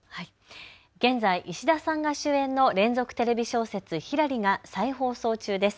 現在、石田さんが主演の連続テレビ小説、ひらりが再放送中です。